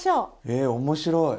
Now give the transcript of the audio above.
え面白い！